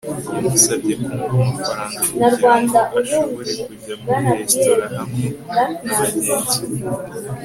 yamusabye kumuha amafaranga kugirango ashobore kujya muri resitora hamwe nabagenzi be